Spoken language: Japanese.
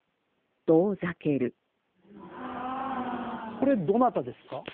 これどなたですか？